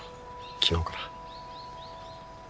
昨日から。